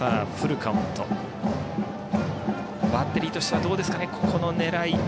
バッテリーとしてはどうですかね、ここの狙い。